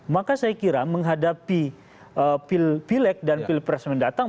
maka saya kira menghadapi pilek dan pilpres mendatang